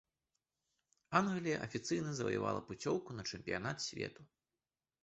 Англія афіцыйна заваявала пуцёўку на чэмпіянат свету.